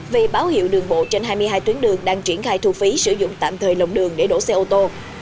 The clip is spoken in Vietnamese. vì báo hiệu đường bộ trên hai mươi hai tuyến đường đang triển khai thu phí sử dụng tạm thời lồng đường để đổ xe ô tô